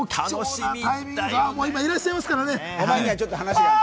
貴重なタイミング、今、いらっしゃいますからね。